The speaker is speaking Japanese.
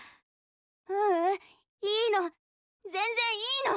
ううんいいの全然いいの。